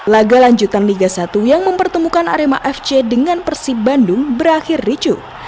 laga lanjutan liga satu yang mempertemukan arema fc dengan persib bandung berakhir ricu